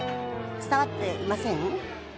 伝わっていません？